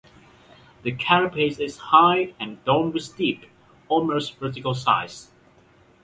The carapace is high and domed with steep, almost vertical sides.